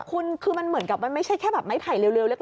คุณคือมันเหมือนกับมันไม่ใช่แค่แบบไม้ไผ่เร็วเล็ก